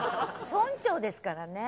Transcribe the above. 村長ですからねえ。